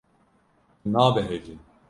Tu nabehecî.